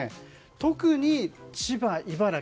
特に千葉、茨城。